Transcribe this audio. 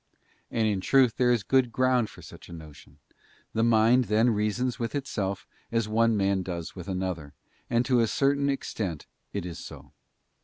And in truth there is good ground for such a notion ; the mind then reasons with itself as one man does with another, and to a certain extent it. is so.